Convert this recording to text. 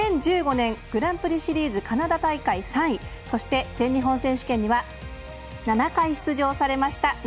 ２０１５年、グランプリシリーズカナダ大会３位そして全日本選手権には７回出場されました